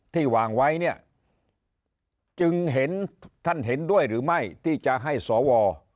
วางไว้เนี่ยจึงเห็นท่านเห็นด้วยหรือไม่ที่จะให้สว